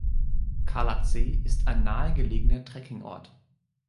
Khalatse ist ein nahe gelegener Trekkingort.